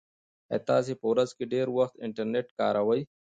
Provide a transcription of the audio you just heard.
ایا تاسي په ورځ کې ډېر وخت انټرنيټ کاروئ؟